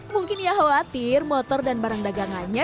mungkin ia khawatir motor dan barang dagangannya